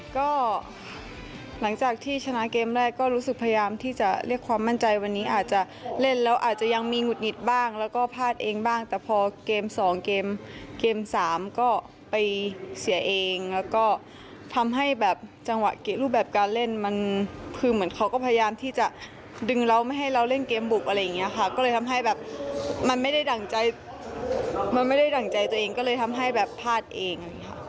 ก็หลังจากที่ชนะเกมแรกก็รู้สึกพยายามที่จะเรียกความมั่นใจวันนี้อาจจะเล่นแล้วอาจจะยังมีหุดหงิดบ้างแล้วก็พลาดเองบ้างแต่พอเกมสองเกมเกมสามก็ไปเสียเองแล้วก็ทำให้แบบจังหวะรูปแบบการเล่นมันคือเหมือนเขาก็พยายามที่จะดึงเราไม่ให้เราเล่นเกมบุกอะไรอย่างนี้ค่ะก็เลยทำให้แบบมันไม่ได้ดั่งใจมันไม่ได้ดั่งใจตัวเองก็เลยทำให้แบบพลาดเองค่ะ